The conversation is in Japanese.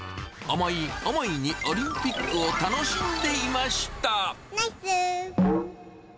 思い思いにオリンピックを楽しんでいました。